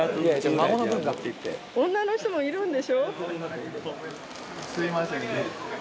女の人もいるんでしょ？